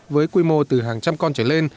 với quy mô từ hàng trăm con trở lên